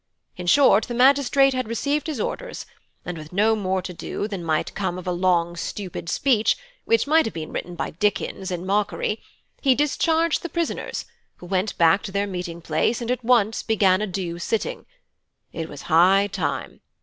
In short, the magistrate had received his orders; and with no more to do than might come of a long stupid speech, which might have been written by Dickens in mockery, he discharged the prisoners, who went back to their meeting place and at once began a due sitting. It was high time.